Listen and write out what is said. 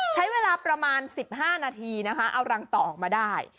ใช้เวลาประมาณ๑๕นาทีนะคะเอารังต่อออกมาได้